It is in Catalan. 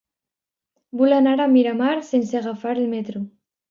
Vull anar a Miramar sense agafar el metro.